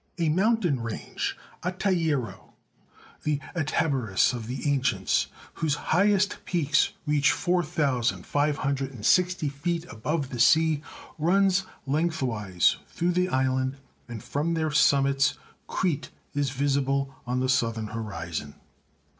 A mountain range, Atairo, the Atabyris of the ancients, whose highest peaks reach 4560 feet above the sea, runs lengthwise through the island, and from their summits Crete is visible on the southern horizon.